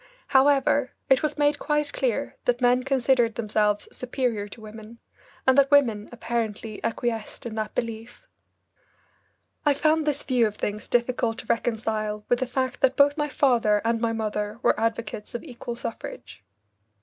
However, it was made quite clear that men considered themselves superior to women, and that women apparently acquiesced in that belief. I found this view of things difficult to reconcile with the fact that both my father and my mother were advocates of equal suffrage.